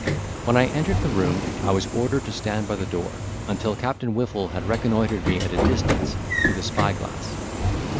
When I entered the room, I was ordered to stand by the door, until Captain Whiffle had reconnoitered me at a distance with a spy glass.